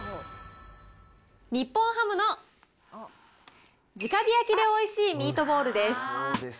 日本ハムの直火焼でおいしいミートボールです。